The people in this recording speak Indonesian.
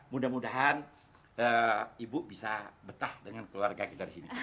mudah mudahan ibu bisa betah dengan keluarga kita di sini